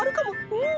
うん。